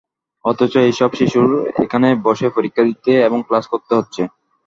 অথচ এসব শিশুর এখানে বসে পরীক্ষা দিতে এবং ক্লাস করতে হচ্ছে।